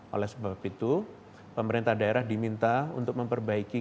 oleh sebab itu pemerintah daerah diminta untuk memperbaiki